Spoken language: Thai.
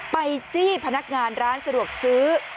จี้พนักงานร้านสะดวกซื้อ